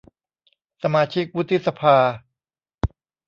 สมาชิกวุฒิสภา